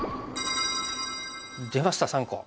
出ました３個。